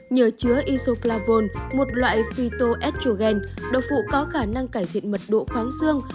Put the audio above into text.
nhờ chứa isoflavone một loại phytoestrogen đậu phụ có khả năng cải thiện mật độ khoáng xương